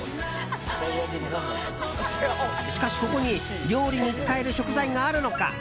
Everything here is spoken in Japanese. しかし、ここに料理に使える食材があるのか。